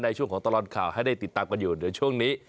ช่วงของตลอดข่าวให้ได้ติดตามกันอยู่เดี๋ยวช่วงนี้